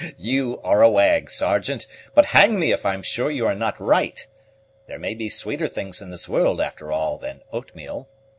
"You are a wag, Sergeant; but hang me if I am sure you are not right. There may be sweeter things in this world, after all, than oatmeal.